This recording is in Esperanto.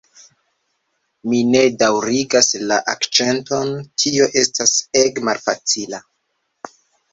Mi ne daŭrigas la akĉenton tio estas ege malfacila